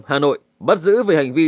hà nội bắt giữ về hành vi